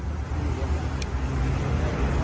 พี่เขาบอกพี่ไปขยับกระจก๕๖ทีเพื่อมองหน้ามองเขาเนี่ยจริงมั้ย